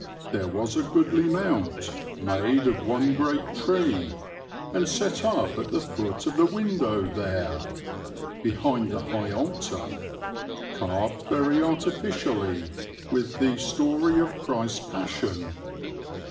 "There was a goodly mount, made of one great Tree, and set up at the foot of the window there" (behind the High Altar), "carved very artificially, with The Story of Christ's Passion....